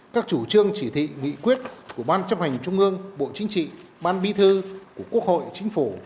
các chủ trương chỉ thị nghị quyết của ban chấp hành trung ương bộ chính trị ban bi thư của quốc hội chính phủ